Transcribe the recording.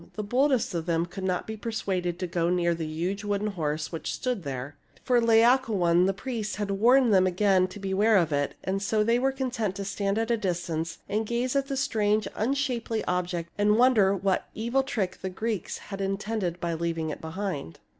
The boldest of them could not be persuaded to go near the huge wooden horse which stood there. For Laocoon, the priest, had warned them again to beware of it ; and so they were con tent to stand at a distance and gaze at the strange, unshapely object and wonder what evil trick the Greeks had intended by leaving it behind.